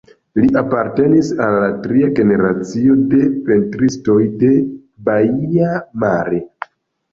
Li apartenis al la tria generacio de pentristoj de Baia Mare.